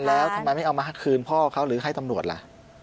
แล้วทำไมไม่เอามาคืนพ่อเขาหรือให้ตำรวจล่ะ